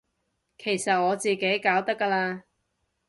其實我自己搞得㗎喇